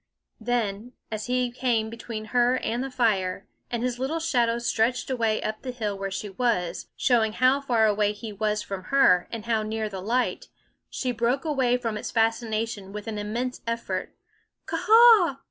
Then, as he came between her and the fire, and his little shadow stretched away up the hill where she was, showing how far away he was from her and how near the light, she broke away from its fascination with an immense effort: _Ka a a h!